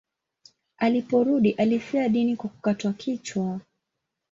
Aliporudi alifia dini kwa kukatwa kichwa.